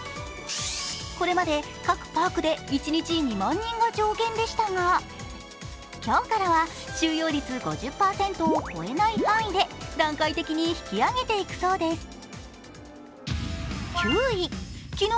これまで各パークで一日２万人が上限でしたが、今日からは収容率５０％を超えない範囲で段階的に引き上げていくそうです。